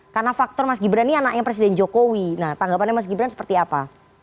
karena faktor mas gibran ini anaknya presiden jokowi nah tanggapannya mas gibran seperti apa